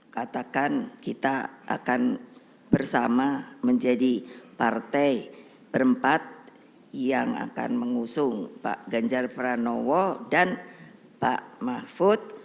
katakan kita akan bersama menjadi partai berempat yang akan mengusung pak ganjar pranowo dan pak mahfud